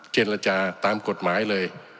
เจรจาตามกฎหมายเลย